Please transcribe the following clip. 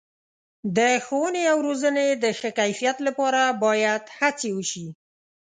د ښوونې او روزنې د ښه کیفیت لپاره باید هڅې وشي.